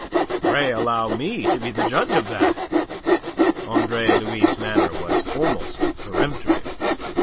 "Pray allow me to be the judge of that." Andre Louis' manner was almost peremptory.